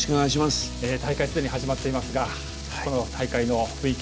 大会すでに始まっていますがこの大会の雰囲気